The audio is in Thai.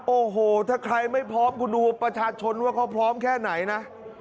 โอ้โหถ้าใครไม่พร้อมคุณดูประชาชนว่าเขาพร้อมแค่ไหนนะ